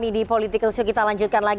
ini biasanya gue duduk di sebelah dia nih